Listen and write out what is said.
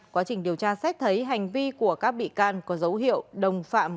quá trình điều tra xét thấy hành vi của các bị can có dấu hiệu đồng phạm